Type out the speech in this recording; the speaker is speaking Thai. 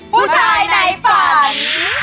ผู้ชายในฝัน